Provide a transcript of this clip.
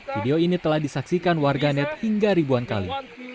video ini telah disaksikan warga net hingga ribuan kali